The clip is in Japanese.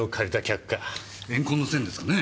怨恨の線ですかね？